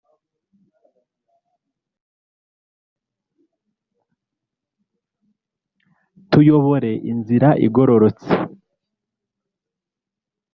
tuyobore inzira igororotse: